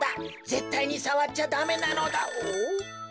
ぜったいにさわっちゃダメなのだ。